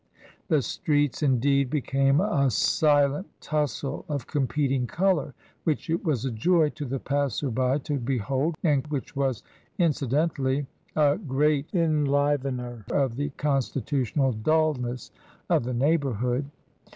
The streets indeed be came a silent tussle of competing colour which it was a joy to the passer by to behold, and which was incident ally a great enlivener of the constitutional dulness of the neighbourhood.